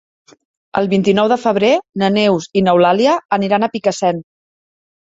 El vint-i-nou de febrer na Neus i n'Eulàlia aniran a Picassent.